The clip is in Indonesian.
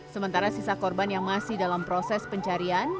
sementara sisa korban yang masih dalam proses pencarian